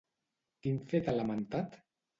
Quin fet ha lamentat?